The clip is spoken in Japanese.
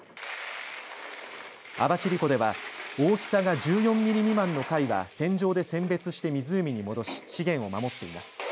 網走湖では大きさが１４ミリ未満の貝は船上で選別して湖に戻し資源を守っています。